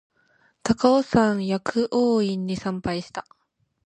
高尾山薬王院に参拝した